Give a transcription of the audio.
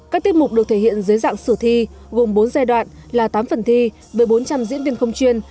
các tiết mục được thể hiện dưới dạng sử thi gồm bốn giai đoạn là tám phần thi với bốn trăm linh diễn viên không chuyên